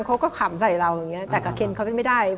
เขาก็ขำใส่เราอย่างนี้แต่กับเคนเขาไม่ได้